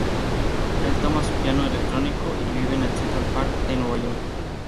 Él toma su piano electrónico, y vive en el Central Park de Nueva York.